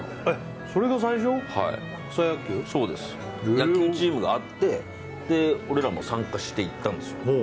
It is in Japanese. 野球チームがあって俺らも参加して行ったんですよ。